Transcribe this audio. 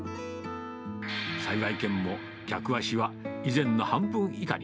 幸軒も客足は以前の半分以下に。